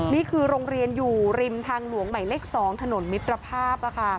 นี่คือโรงเรียนอยู่ริมทางหลวงใหม่เลข๒ถนนมิตรภาพ